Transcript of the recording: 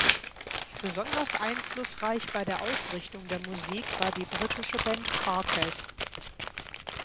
Besonders einflussreich bei der Ausrichtung der Musik war die britische Band Carcass.